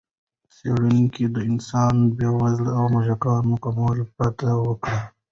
څېړونکي د انسان، بیزو او موږکانو کولمو پرتله وکړه.